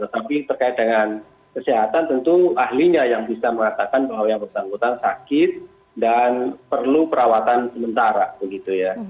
tetapi terkait dengan kesehatan tentu ahlinya yang bisa mengatakan bahwa yang bersangkutan sakit dan perlu perawatan sementara begitu ya